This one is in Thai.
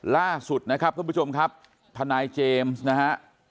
ล่าสุดนะครับท่านผู้ชมครับทนายเจมส์นะฮะ